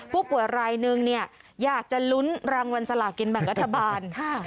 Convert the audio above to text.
ผู้ป่วยรายนึงเนี่ยอยากจะลุ้นรางวัลสลากินแบ่งรัฐบาล